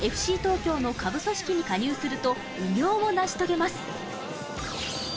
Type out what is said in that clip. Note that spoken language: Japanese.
ＦＣ東京の下部組織に加入すると偉業を成し遂げます。